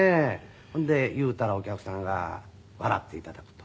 ほんで言うたらお客さんが笑って頂くと。